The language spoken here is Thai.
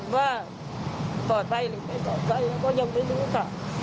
ว่าต่อไปหรือไม่ต่อไปเราก็ยังไม่รู้ค่ะ